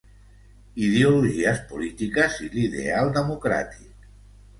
Ideologies polítiques i l'ideal democràtic.